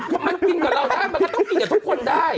คือมันกินกับเราได้มันก็ต้องกินกับทุกคนได้